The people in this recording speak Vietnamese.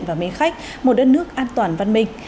và mến khách một đất nước an toàn văn minh